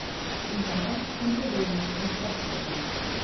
Fins ara, sempre havíem acollit persones.